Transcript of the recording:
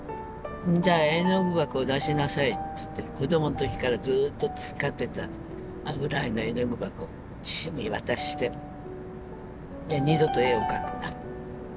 じゃあ絵の具箱を出しなさい」って言って子どもの時からずっと使ってた油絵の絵の具箱父に渡して「二度と絵を描くな。